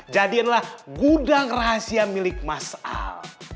jadiinlah gudang rahasia milik mas al